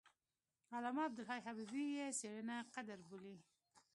علامه عبدالحي حبیبي یې څېړنه قدر بولي.